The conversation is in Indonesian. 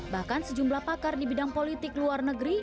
bahkan sejumlah pakar di bidang politik luar negeri